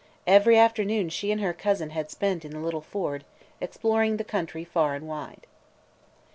Every afternoon she and her cousin had spent in the little Ford, exploring the country far and wide.